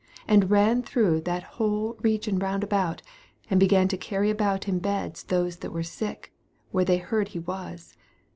55 And ran through that whole re gion round about, and began to carry about in beds those that were sick, where they heard he was.